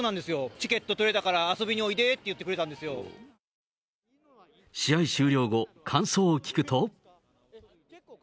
チケット取れたから遊びにおいで試合終了後、感想を聞くと。